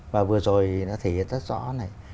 và vừa rồi nó thể hiện rất rõ này